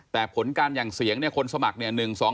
แต่ผลการหั่งเสียงเนี่ยคนสมัครเนี่ย